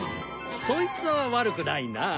そいつは悪くないな。